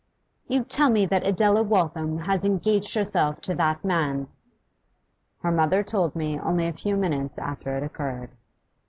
'You tell me that Adela Waltham has engaged herself to that man?' 'Her mother told me, only a few minutes after it occurred.